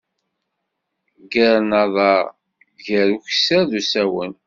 Ggaren aḍar, gar ukessar d usawen.